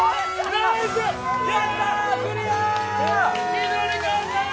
緑川さん